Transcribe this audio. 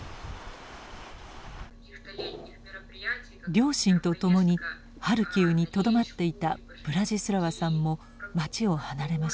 両親と共にハルキウにとどまっていたブラジスラワさんも町を離れました。